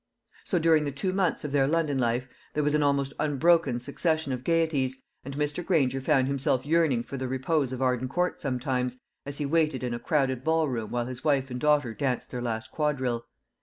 So, during the two months of their London life, there was an almost unbroken succession of gaieties, and Mr. Granger found himself yearning for the repose of Arden Court sometimes, as he waited in a crowded ball room while his wife and daughter danced their last quadrille.